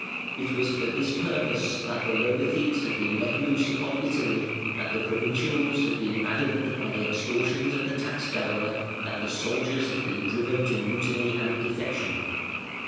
It was for this purpose that the logothetes had been let loose upon Italy that the provincials had been maddened by the extortions of the tax gatherer, that the soldiers had been driven to mutiny and defection.